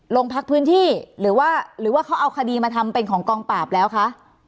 ลงพักพื้นที่หรือว่าหรือว่าเขาเอาคดีมาทำเป็นของกองปราบแล้วคะ